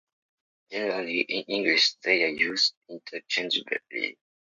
Generally, in English, they are used interchangeably.